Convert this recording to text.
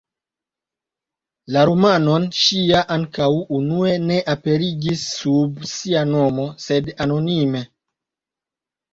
La romanon ŝi ja ankaŭ unue ne aperigis sub sia nomo, sed anonime.